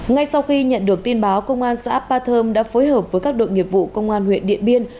ngay sau khi nhận được tin báo công an xã ba thơm đã phối hợp với các đội nghiệp vụ công an huyện điện biên